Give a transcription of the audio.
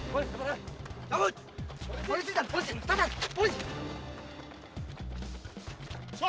pak polisi ini